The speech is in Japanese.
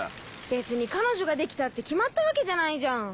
別に彼女ができたって決まったわけじゃないじゃん。